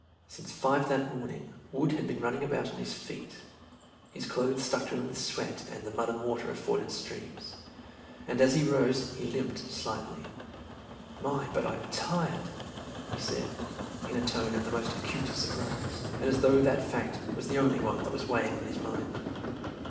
Since five that morning Wood had been running about on his feet, his clothes stuck to him with sweat and the mud and water of forded streams, and as he rose he limped slightly. "My, but I'm tired!" he said, in a tone of the most acute surprise, and as though that fact was the only one that was weighing on his mind.